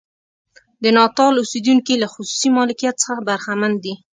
د ناتال اوسېدونکي له خصوصي مالکیت څخه برخمن دي.